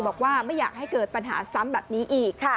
บอกว่าไม่อยากให้เกิดปัญหาซ้ำแบบนี้อีก